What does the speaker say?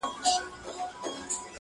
داسي دي سترگي زما غمونه د زړگي ورانوي،